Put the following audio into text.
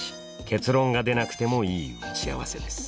結論が出なくてもいい打ち合わせです。